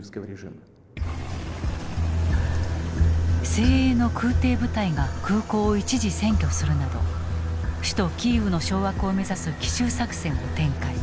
精鋭の空挺部隊が空港を一時占拠するなど首都キーウの掌握を目指す奇襲作戦を展開。